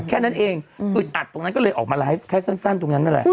แค่นั้นเองอึดอัดตรงนั้นก็เลยออกมาไลฟ์แค่สั้นตรงนั้นนั่นแหละ